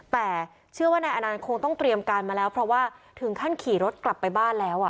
แต่เชื่อว่านายอนันต์คงต้องเตรียมการมาแล้วเพราะว่าถึงขั้นขี่รถกลับไปบ้านแล้ว